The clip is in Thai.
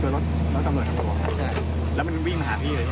แล้วมันวิ่งมาหาพี่เลยใช่ไหมครับ